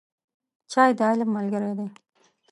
چای د علم ملګری دی